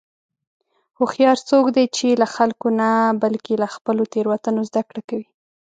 هوښیار څوک دی چې له خلکو نه، بلکې له خپلو تېروتنو زدهکړه کوي.